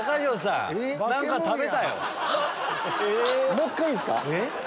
もう１回いいっすか？